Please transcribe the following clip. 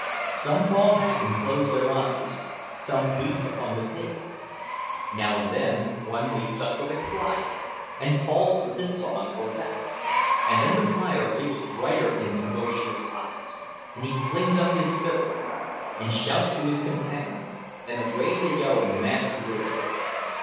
Some fall back and close their eyes, some beat upon the table. Now and then one leaps up with a cry and calls for this song or that; and then the fire leaps brighter in Tamoszius' eyes, and he flings up his fiddle and shouts to his companions, and away they go in mad career.